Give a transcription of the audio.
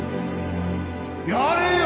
やれよ！